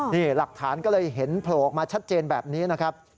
นี่หลักฐานก็เลยเห็นโผล่ออกมาชัดเจนแบบนี้นะครับ